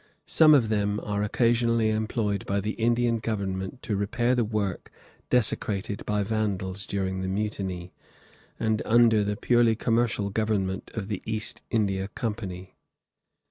Some of them are occasionally employed by the Indian Government to repair the work desecrated by vandals during the mutiny, and under the purely commercial government of the East India Company.